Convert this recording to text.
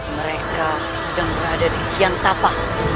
mereka sedang berada di kian tapak